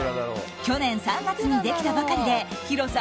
去年３月にできたばかりで広さ